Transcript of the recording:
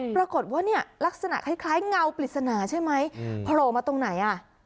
ปรากฏว่าเนี่ยลักษณะคล้ายเงาปริศนาใช่ไหมโผล่มาตรงไหนอ่ะ